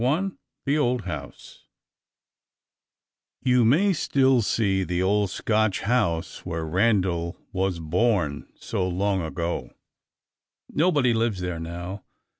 The Old House YOU may still see the old Scotch house where Randal was born, so long ago. Nobody lives there now.